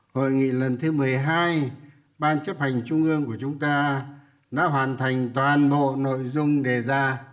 hội nghị lần thứ một mươi hai ban chấp hành trung ương của chúng ta đã hoàn thành toàn bộ nội dung đề ra